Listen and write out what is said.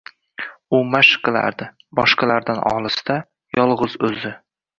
U mashq qilardi — boshqalardan olisda, yolg‘iz o‘zi